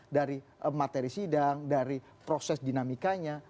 dari materi sidang dari proses dinamikanya